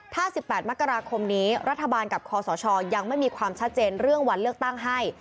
ถ้า๑๘มกราคมนี้รัฐบาลกับคอสชยังไม่มีความชัดเจนเรื่องวันเลือกตั้งให้